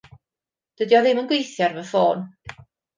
Dydi o ddim yn gweithio ar fy ffôn.